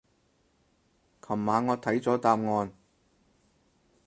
琴晚我睇咗答案